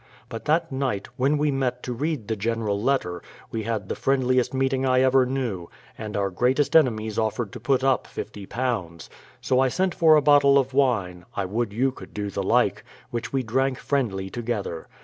But that night, when we met to read the general letter, we had the friendliest meeting I ever knew, and our greatest enemies offered to put up £50. So I sent for a bottle of wine — I would you could do the like — which we drank friendly together.